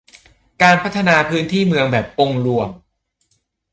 การพัฒนาพื้นที่เมืองแบบองค์รวม